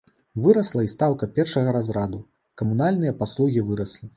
Вырасла і стаўка першага разраду, камунальныя паслугі выраслі.